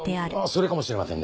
それかもしれませんね。